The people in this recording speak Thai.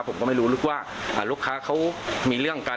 ผมก็ไม่รู้ว่าลูกค้าเขามีเรื่องกัน